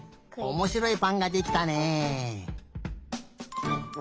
おもしろいぱんができたね。